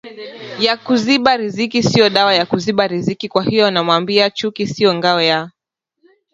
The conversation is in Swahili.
ya kuziba riziki Sio dawa ya kuziba riziki Kwahiyo namwambia chuki sio ngao ya